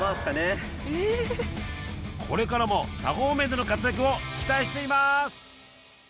これからも多方面での活躍を期待しています！